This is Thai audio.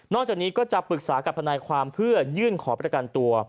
จากนี้ก็จะปรึกษากับทนายความเพื่อยื่นขอประกันตัว